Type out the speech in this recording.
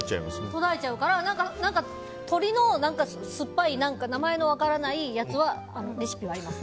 途絶えちゃうから鶏の酸っぱい名前の分からないやつはレシピがあります。